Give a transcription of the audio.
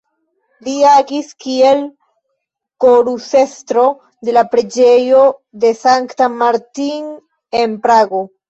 Li agis kiel korusestro en la Preĝejo de Sankta Martin en Prago.